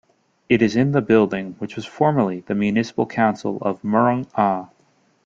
It is in the building which was formerly the Municipal Council of Murang'a.